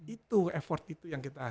itu effort itu yang kita